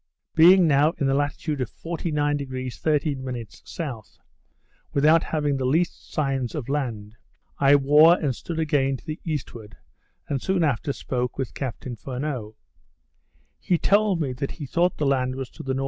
Being now in the latitude of 49° 13' S., without having the least signs of land, I wore and stood again to the eastward, and soon after spoke with Captain Furneaux. He told me that he thought the land was to the N.W.